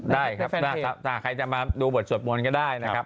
ได้ครับถ้าใครจะมาดูบทสวดมนต์ก็ได้นะครับ